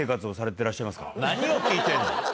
何を聞いてんだ！